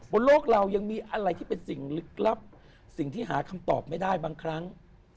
บนโลกเรายังมีอะไรที่เป็นสิ่งลึกลับสิ่งที่หาคำตอบไม่ได้บางครั้ง